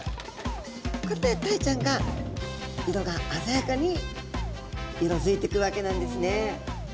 こうやってタイちゃんが色があざやかに色づいてくわけなんですね。